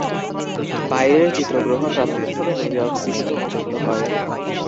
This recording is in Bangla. বাইরের চিত্রগ্রহণ প্রাথমিকভাবে নিউ ইয়র্ক সিটিতে অনুষ্ঠিত হয়।